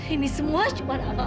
ini semua cuma akal akalan kamu ri